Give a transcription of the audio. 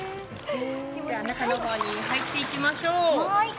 中の方の入っていきましょう。